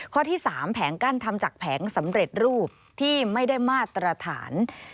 ข้อที่๓แผงกั้นทำจากแผงสำเร็จรูปที่ไม่ได้มาตรฐาน